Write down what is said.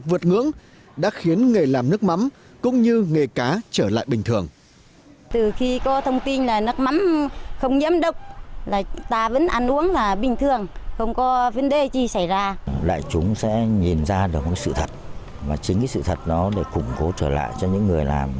vượt ngưỡng đã khiến nghề làm nước mắm cũng như nghề cá trở lại bình thường